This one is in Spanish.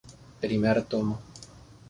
Primer Tomo.